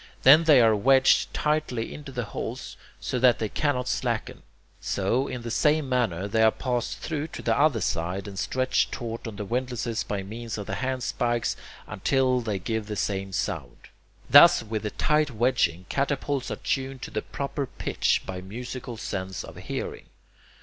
Then they are wedged tightly into the holes so that they cannot slacken. So, in the same manner, they are passed through to the other side, and stretched taut on the windlasses by means of the handspikes until they give the same sound. Thus with tight wedging, catapults are tuned to the proper pitch by musical sense of hearing.